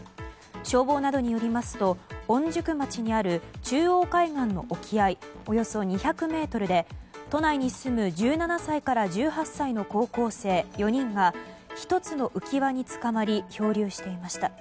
消防などによりますと御宿町にある中央海岸の沖合およそ２００ｍで都内に住む１７歳から１８歳の高校生４人が１つの浮き輪につかまり漂流していました。